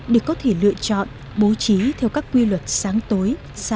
được có thể lựa chọn bố trí theo các quy luật sáng tối xa gần